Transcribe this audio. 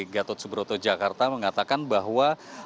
gatot subroto jakarta mengatakan bahwa